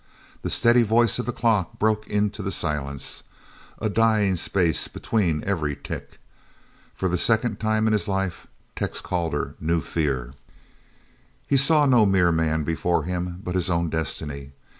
The steady voice of the clock broke into the silence a dying space between every tick. For the second time in his life Tex Calder knew fear. He saw no mere man before him, but his own destiny.